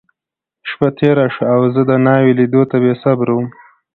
شپه تېره شوه، او زه د ناوې لیدو ته بېصبره وم.